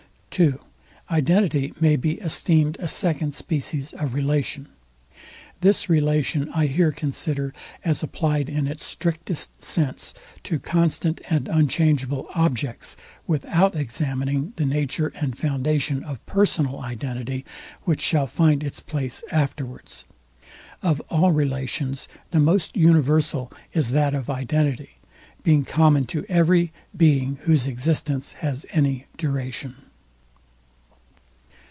(2) IDENTITY may be esteemed a second species of relation. This relation I here consider as applied in its strictest sense to constant and unchangeable objects; without examining the nature and foundation of personal identity, which shall find its place afterwards. Of all relations the most universal is that of identity, being common to every being whose existence has any duration.